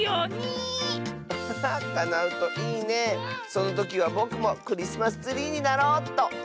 そのときはぼくもクリスマスツリーになろうっと。